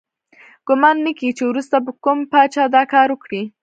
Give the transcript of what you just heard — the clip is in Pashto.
ګمان نه کیږي چې وروسته به کوم پاچا دا کار وکړي.